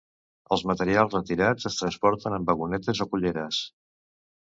Els materials retirats es transporten en vagonetes o culleres.